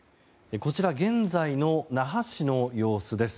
こちらは現在の那覇市の様子です。